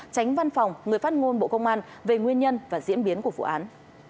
tránh văn phòng người phát ngôn bộ công an về nguyên nhân và diễn biến của vụ án